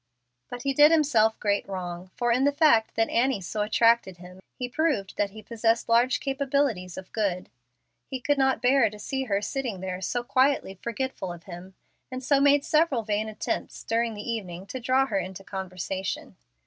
But he did himself great wrong; for in the fact that Annie so attracted him he proved that he possessed large capabilities of good. He could not bear to see her sitting there so quietly forgetful of him, and so made several vain attempts during the evening to draw her into conversation.